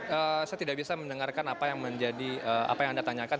saya tidak bisa mendengarkan apa yang menjadi apa yang anda tanyakan